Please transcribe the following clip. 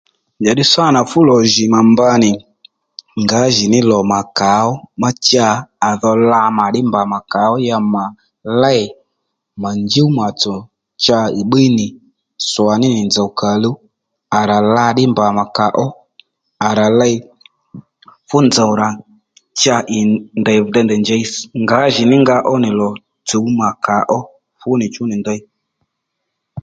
Njàddí sâ nà fú lò jì mà mba nì ngǎjìní lò mà kà ó ma cha à dho la mà ddí mba mà kà ó ma cha à lêy mà njúw mà tsò cha à ì bbíy nì sò ní nì nzòw kà luw à rà la ddí mbà mà kà ó à rà ley fú nzòw rà cha ì nì ndèy vi dey ndèy njèy ngǎjì ní nga ó nì lò tsǔw mà kà ó fú nì chú nì ndèy